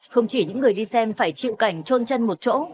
không chỉ những người đi xem phải chịu cảnh trôn chân một chỗ